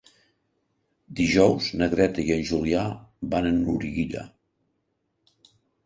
Dijous na Greta i en Julià van a Loriguilla.